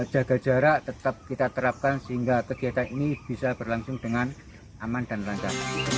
jaga jarak tetap kita terapkan sehingga kegiatan ini bisa berlangsung dengan aman dan lancar